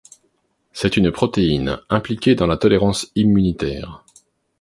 C'est une protéine impliqué dans la tolérance immunitaire.